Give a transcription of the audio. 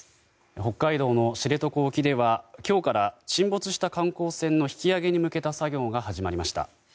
北海道の知床沖では今日から沈没した観光船の引き揚げに向けた作業が始まりました。